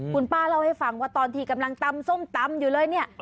คุณป้าเล่าให้ฟังว่าตอนที่กำลังตำส้มตำอยู่เลยเนี่ย